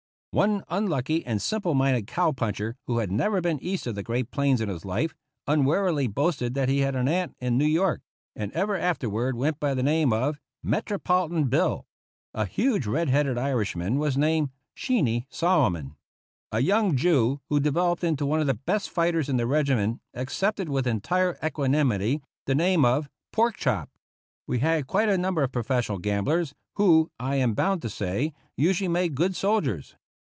One unlucky and simple minded cow puncher, who had never been east of the great plains in his life, unwarily boasted that he had an aunt in New York, and ever afterward went by the name of " Metropolitan Bill." A huge red headed Irishman was named " Sheeny Solomon." A young Jew who developed into one of the best fighters in the regiment accepted, with entire equanimity, the name of " Pork chop." We had quite a number of professional gamblers, who, I am bound to say, usually made good soldiers.